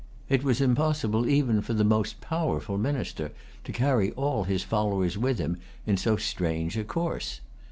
It was impossible even for the most powerful minister to carry all his followers with him in so strange a course.